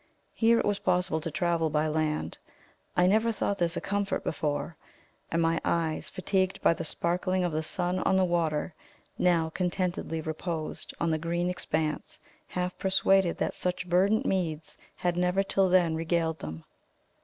Here it was possible to travel by land I never thought this a comfort before and my eyes, fatigued by the sparkling of the sun on the water, now contentedly reposed on the green expanse, half persuaded that such verdant meads had never till then regaled them.